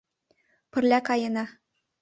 — Пырля каена.